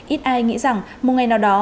ít ai nghĩ rằng một ngày nào đó